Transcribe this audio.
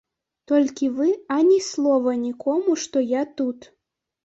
Толькі вы ані слова нікому, што я тут.